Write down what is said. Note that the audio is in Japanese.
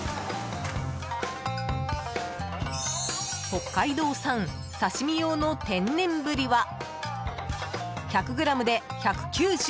北海道産、刺し身用の天然ブリは１００ｇで１９２円。